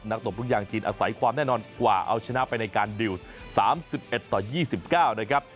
ตบลูกยางจีนอาศัยความแน่นอนกว่าเอาชนะไปในการดิวส์๓๑ต่อ๒๙นะครับ